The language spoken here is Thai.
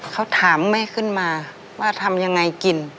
เขาถามแม่ขึ้นมาว่าทำยังไงกิน